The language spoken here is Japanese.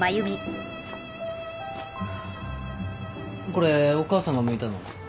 ・これお母さんがむいたの？